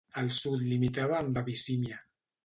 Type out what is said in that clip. Al sud limitava amb Abissínia.